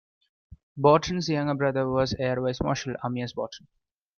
Borton's younger brother was Air Vice Marshal Amyas Borton.